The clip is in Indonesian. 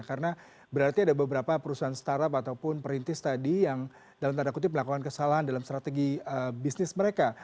karena berarti ada beberapa perusahaan startup ataupun perintis tadi yang dalam tanda kutip melakukan kesalahan dalam strategi bisnis mereka